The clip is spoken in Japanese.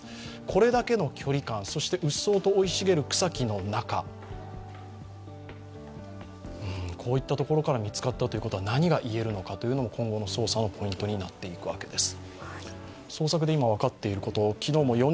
これだけの距離感、うっそうと生い茂る草木の中、こういったところから見つかったのは、何が言えるのか今後の捜査のポイントになっていくわけです。